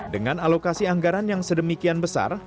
dengan alokasi anggaran yang sedemikian besar